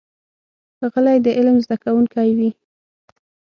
غلی، د علم زده کوونکی وي.